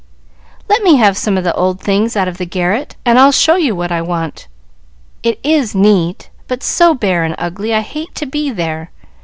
"Let me have some old things out of the garret, and I'll show you what I want. It is neat, but so bare and ugly I hate to be there.